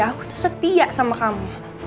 aku tuh setia sama kamu